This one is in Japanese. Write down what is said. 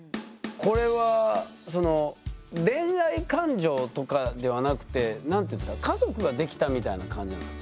これはその恋愛感情とかではなくて何て言うんですか家族ができたみたいな感じなんですかサヤカさん。